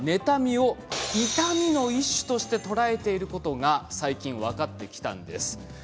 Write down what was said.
脳は妬みを痛みの一種と捉えていることが最近、分かってきました。